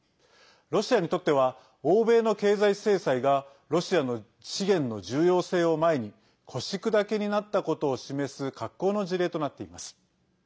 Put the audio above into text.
ロシアにとっては欧米の経済制裁がロシアの資源の重要性を前に腰砕けになったことを示す格好の事例となっています。